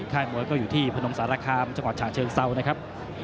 ค่ายมวยก็อยู่ที่พนมสารคามจังหวัดฉะเชิงเซานะครับ